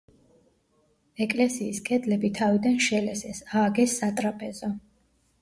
ეკლესიის კედლები თავიდან შელესეს, ააგეს სატრაპეზო.